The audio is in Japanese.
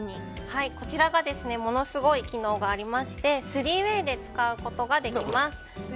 こちらがものすごい機能がありましてスリーウェイで使うことができます。